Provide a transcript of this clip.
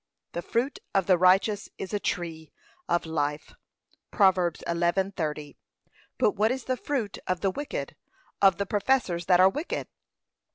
'The fruit of the righteous is a tree of life.' (Prov. 11:30) But what is the fruit of the wicked, of the professors that are wicked?